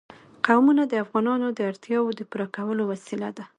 قومونه د افغانانو د اړتیاوو د پوره کولو وسیله ده.